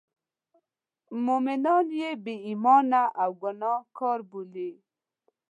مومنان مې بې ایمانه او ګناه کار بولي.